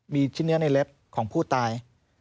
มีชิ้นเนื้อในเล็บของผู้ตาย